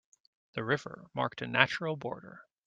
The river marked a natural border.